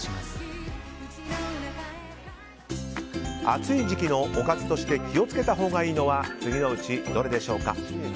暑い時期のおかずとして気を付けたほうがいいのは次のうちどれでしょうか。